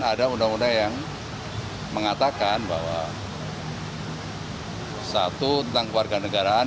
ada undang undang yang mengatakan bahwa satu tentang kewarganegaraan